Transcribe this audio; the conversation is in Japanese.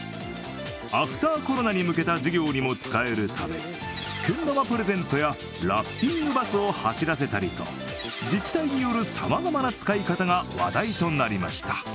アフター・コロナに向けた事業にも使えるためけん玉プレゼントやラッピングバスを走らせたりと自治体によるさまざまな使い方が話題となりました。